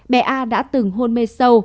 bé a đã từng hôn mê sâu